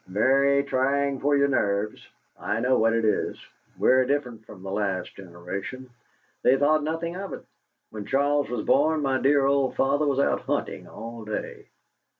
"Very trying for your nerves. I know what it is. We're different from the last generation; they thought nothing of it. When Charles was born my dear old father was out hunting all day.